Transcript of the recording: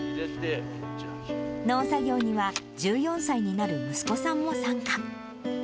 農作業には、１４歳になる息子さんも参加。